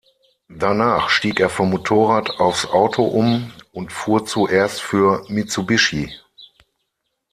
Danach stieg er vom Motorrad aufs Auto um und fuhr zuerst für Mitsubishi.